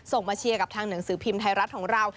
มาเชียร์กับทางหนังสือพิมพ์ไทยรัฐของเรา